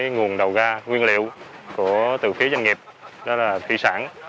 nguồn đầu ra nguyên liệu từ phía doanh nghiệp đó là thủy sản